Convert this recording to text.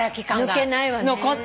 抜けないわね。